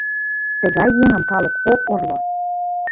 Тыгай еҥым калык ок орло.